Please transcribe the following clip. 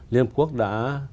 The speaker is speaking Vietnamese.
liên hợp quốc đã